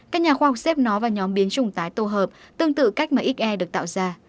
các nhà khoa học xếp nó vào nhóm biến trùng tái tổ hợp tương tự cách mà xe được tạo ra